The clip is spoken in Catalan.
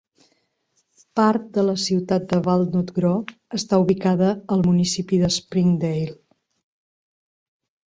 Part de la ciutat de Walnut Grove està ubicada al municipi de Springdale.